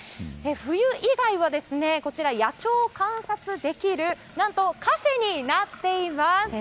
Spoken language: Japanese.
冬以外はこちら、野鳥を観察できる何とカフェになっています。